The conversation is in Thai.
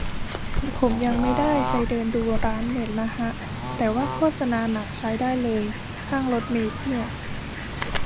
ผมยังไม่ได้ไปเดินดูร้านเน็ตนะฮะ แต่ว่าโฆษนาหนักใช้ได้เลย ข้างรถเมล์เพียบ